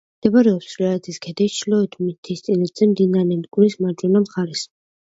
მდებარეობს თრიალეთის ქედის ჩრდილოეთ მთისწინეთზე, მდინარე მტკვრის მარჯვენა მხარეს.